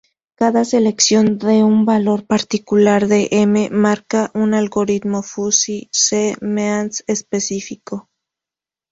Cada selección de un valor particular de "m" marca un algoritmo Fuzzy "c"-Means específico.